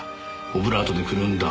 オブラートでくるんだ